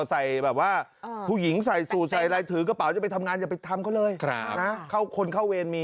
ใส่ปูหญิงในสุข